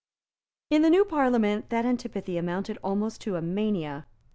In the new Parliament that antipathy amounted almost to a mania.